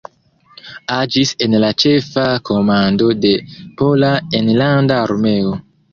Agis en la Ĉefa Komando de Pola Enlanda Armeo.